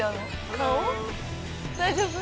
顔大丈夫？